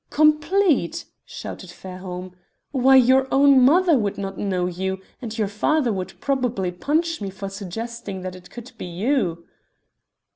"Complete!" shouted Fairholme, "why, your own mother would not know you, and your father would probably punch me for suggesting that it could be you."